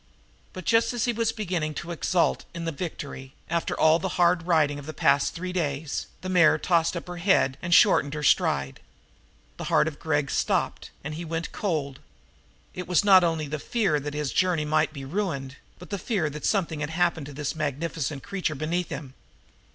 But, just as he was beginning to exult in the victory, after all the hard riding of the past three days, the mare tossed up her head and shortened her stride. The heart of Gregg stopped, and he went cold. It was not only the fear that his journey might be ruined, but the fear that something had happened to this magnificent creature beneath him.